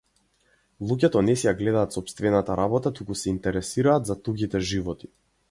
Луѓето не си ја гледаат сопстевната работа туку се интересираат за туѓите животи.